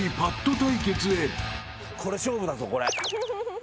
これ勝負だぞこれここ。